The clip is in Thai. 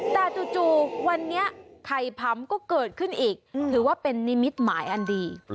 แต่จู่วันนี้ไข่พำก็เกิดขึ้นอีกถือว่าเป็นนิมิตหมายอันดี